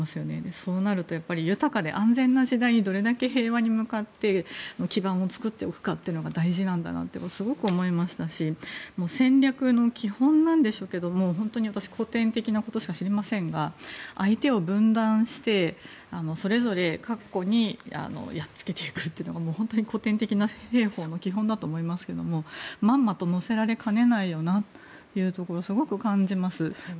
そうなるとやっぱり豊かな安全な時代にどれだけ平和に向かって基盤を作っておくかということが大事なんだなというのをすごく思いましたし戦略の基本なんでしょうけども本当に私後天的なことしか知りませんが相手を分断して、それぞれやっつけていくというのが本当に古典的な兵法の基本だと思いますけどまんまと乗せられかねないよなというところをすごく感じます。